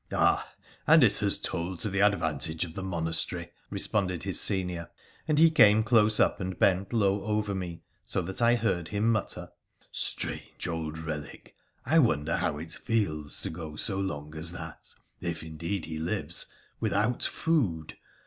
' Ah ! and it has told to the advantage of the monastery, 1 responded his senior, and he came close up and bent low over me, so that I heard him mutter, ' Strange old relic ! I wonder how it feels to go so long as that — if, indeed, he lives — without food.